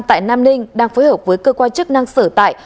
tại nam ninh đang phối hợp với cơ quan chức năng sở tại